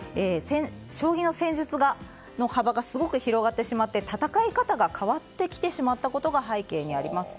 将棋の戦術の幅がすごく広がってしまって戦い方が変わってきてしまったことが背景にあります。